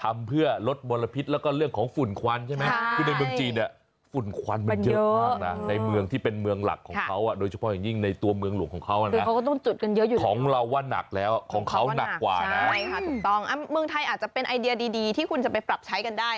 เมืองไทยอาจจะเป็นไอเดียดีที่คุณจะไปปรับใช้กันได้